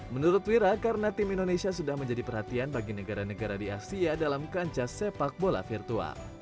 menurut wira karena tim indonesia sudah menjadi perhatian bagi negara negara di asia dalam kancah sepak bola virtual